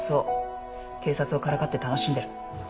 警察をからかって楽しんでる。